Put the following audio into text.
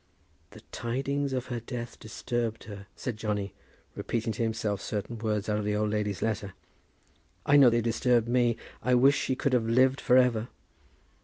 "The tidings of her death disturbed her!" said Johnny, repeating to himself certain words out of the old lady's letter. "I know they disturbed me. I wish she could have lived for ever.